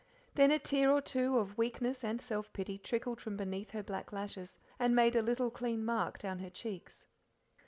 Then a tear or two of weakness and self pity trickled from beneath her black lashes, and made a little clean mark down her cheeks.